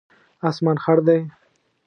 اسمان خړ دی